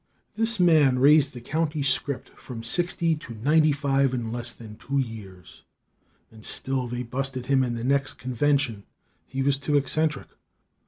This man raised the county scrip from sixty to ninety five in less than two years, and still they busted him in the next convention. He was too eccentric.